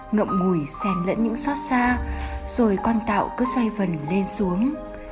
ngậm ngùi sen lẫn những xót xa rồi con tạo cứ xoay vần lên xuống